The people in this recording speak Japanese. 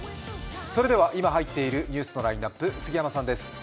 それでは今入っているニュースのラインナップ、杉山さんです。